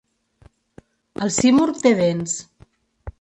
El simurgh té dents.